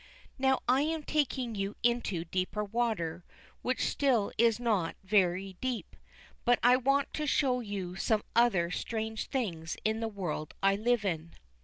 Now I am taking you into deeper water, which still is not so very deep, but I want to show you some other strange things in the world I live in.